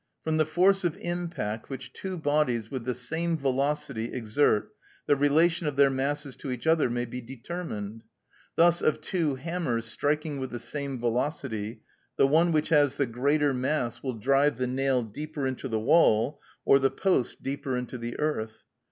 From the force of impact which two bodies with the same velocity exert the relation of their masses to each other may be determined. Thus of two hammers striking with the same velocity, the one which has the greater mass will drive the nail deeper into the wall or the post deeper into the earth.